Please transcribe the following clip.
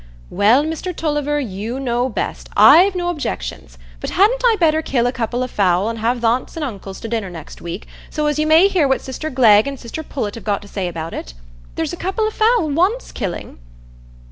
"Well, Mr Tulliver, you know best: I've no objections. But hadn't I better kill a couple o' fowl, and have th' aunts and uncles to dinner next week, so as you may hear what sister Glegg and sister Pullet have got to say about it? There's a couple o' fowl wants killing!"